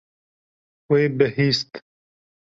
Wê bihîst.